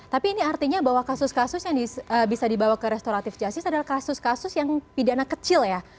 tapi ini artinya bahwa kasus kasus yang bisa dibawa ke restoratif justice adalah kasus kasus yang pidana kecil ya